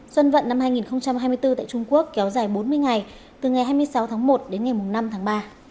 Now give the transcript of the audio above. xuân vận năm hai nghìn hai mươi bốn tại trung quốc kéo dài bốn mươi ngày từ ngày hai mươi sáu tháng một đến ngày năm tháng ba